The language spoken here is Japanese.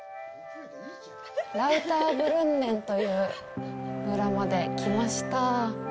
ラウターブルンネンという村まで来ました。